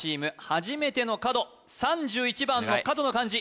初めての角３１番の角の漢字